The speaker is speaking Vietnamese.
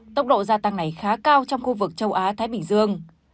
tốc độ gia tăng này khá cao trong khu vực châu á thái bình dương